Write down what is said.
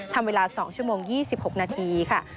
ทำเวลา๒ชั่วโมง๒๖นาทีค่ะ